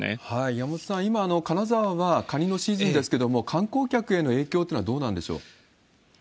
山本さん、今、金沢はカニのシーズンですけれども、観光客への影響というのはどそうなんです。